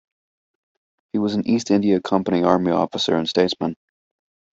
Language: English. He was an East India Company Army officer and statesman.